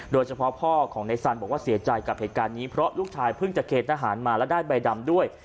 โดยเฉพาะพ่อของในสันบอกว่าเสียใจกับเหตุการณ์นี้เพราะลูกชายเพิ่งจะเกณฑ์ทหารมาแล้วได้ใบดำด้วย